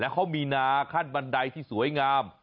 เขามีนาขั้นบันไดที่สวยงาม